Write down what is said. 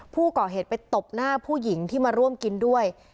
ผู้ก่อเหตุไปตบหน้าผู้หญิงที่มาร่วมกินด้วย